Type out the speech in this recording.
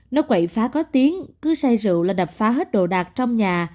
nó quậy phá có tiếng cứ say rượu là đập phá hết đồ đạc trong nhà